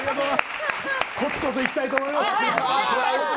コツコツいきたいと思います。